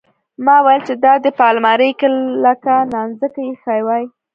ما ويل چې دا دې په المارۍ کښې لکه نانځکه ايښې واى.